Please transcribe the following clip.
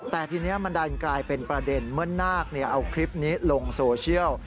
แต่ทีนี้มันดันกลายเป็นประเด็นเมื่อนาคเอาคลิปนี้ลงโซเชียล